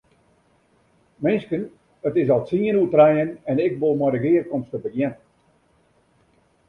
Minsken, it is al tsien oer trijen en ik wol mei de gearkomste begjinne.